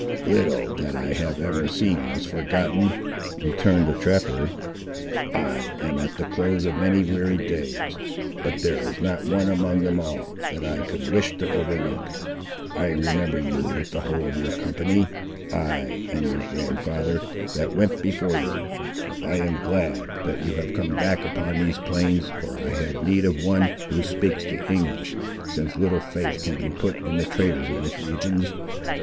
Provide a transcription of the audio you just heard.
"Little that I have ever seen is forgotten," returned the trapper: "I am at the close of many weary days, but there is not one among them all, that I could wish to overlook. I remember you with the whole of your company; ay, and your grand'ther, that went before you. I am glad, that you have come back upon these plains, for I had need of one, who speaks the English, since little faith can be put in the traders of these regions.